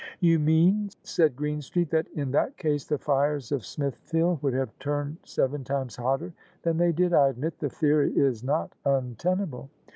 " You mean," said Greenstreet, " that in that case the fires of Smithfield would have turned seven times hotter than they did. I admit the theory is not untenable."